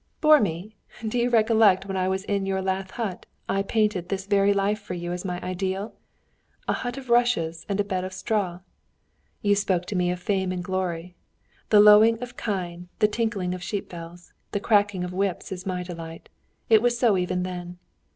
"Bore me! Don't you recollect when I was in your lath hut I painted this very life to you as my ideal? A hut of rushes and a bed of straw. You spoke to me of fame and glory. The lowing of kine, the tinkling of sheep bells, the cracking of whips is my delight. It was so even then.